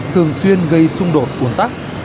thường xuyên gây xung đột cuốn tắc